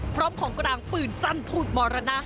พร้อมของกลางปืนสั้นทูตมรณะ